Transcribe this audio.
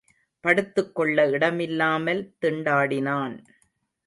படுத்துக் கொள்ள இடமில்லாமல் திண்டாடினான்.